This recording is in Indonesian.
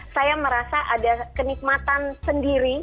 saya merasa ada kenikmatan sendiri